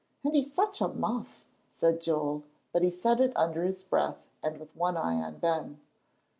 "And he's such a muff," said Joel, but he said it under his breath and with one eye on Ben.